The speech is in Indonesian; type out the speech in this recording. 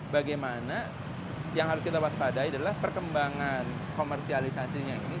bagaimana yang harus kita waspadai adalah perkembangan komersialisasinya ini